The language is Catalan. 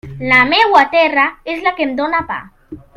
La meua terra és la que em dóna pa.